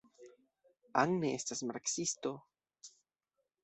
Anne estas marksisto.